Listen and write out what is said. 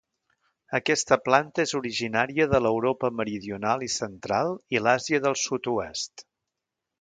Aquesta planta és originària de l'Europa meridional i central i l'Àsia del Sud-oest.